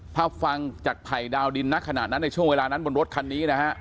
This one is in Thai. ถ้าฟังจากภัยดาวดินณขณะนั้นในช่วงเวลานั้นบนรถคันนี้นะฮะ